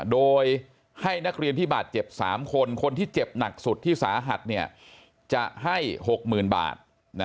โดยให้นักเรียนที่บาดเจ็บ๓คนคนที่เจ็บหนักสุดที่สาหัสจะให้๖๐๐๐บาท